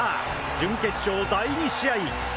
準決勝第２試合！